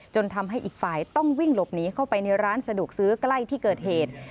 ทำให้อีกฝ่ายต้องวิ่งหลบหนีเข้าไปในร้านสะดวกซื้อใกล้ที่เกิดเหตุ